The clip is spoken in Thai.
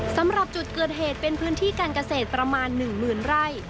สำหรับจุดเกิดเหตุเป็นพื้นที่การเกษตรประมาณ๑๐๐๐ไร่